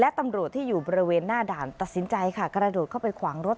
และตำรวจที่อยู่บริเวณหน้าด่านตัดสินใจค่ะกระโดดเข้าไปขวางรถ